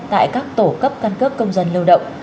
tại các tổ cấp căn cước công dân lưu động